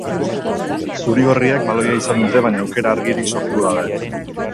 Zuri-gorriek baloia izan dute baina aukera argirik sortu gabe.